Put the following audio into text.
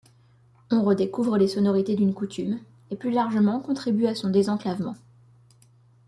On redécouvre les sonorités d’une Coutume et plus largement contribue à son désenclavement.